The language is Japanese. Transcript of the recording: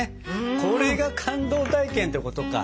これが「感動体験」ってことか！